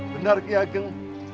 benar ki ageng